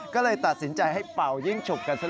ก็เลยตัดสินใจให้เป่ายิ่งฉกกันซะ